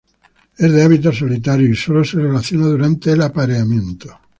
Es de hábitos solitarios y solo se relaciona durante el apareamiento.